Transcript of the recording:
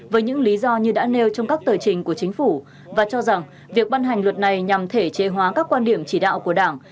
với những lý do như đã nêu trong các tờ trình của chính phủ và cho rằng việc ban hành luật này nhằm thể chế hóa các quan điểm chỉ đạo của đảng